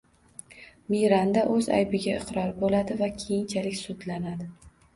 Miranda o‘z aybiga iqror bo‘ladi va keyinchalik sudlanadi.